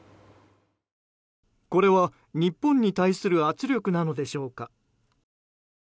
これは日本に対する圧力なのでしょうか。